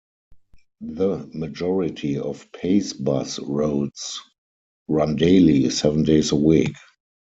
The majority of Pace bus routes run daily, seven days a week.